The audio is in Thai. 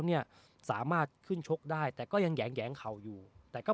เนี่ยสามารถขึ้นชกได้แต่ก็ยังแหงเข่าอยู่แต่ก็